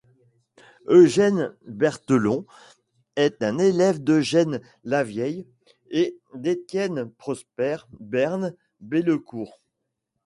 Eugène Berthelon est un élève d'Eugène Lavieille et d'Étienne-Prosper Berne-Bellecour.